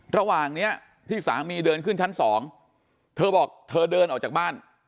ระหว่างนี้ที่สามีเดินขึ้นชั้น๒เธอบอกเธอเดินออกจากบ้าน